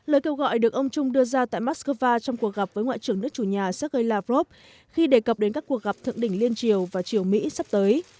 lời kêu gọi được ông trung đưa ra tại moscow trong cuộc gặp với ngoại trưởng nước chủ nhà sergei lavrov khi đề cập đến các cuộc gặp thượng đỉnh liên triều và triều mỹ sắp tới